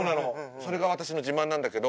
それが私の自慢なんだけど。